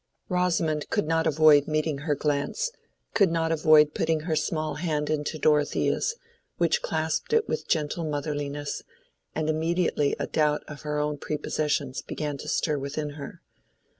Rosamond could not avoid meeting her glance, could not avoid putting her small hand into Dorothea's, which clasped it with gentle motherliness; and immediately a doubt of her own prepossessions began to stir within her.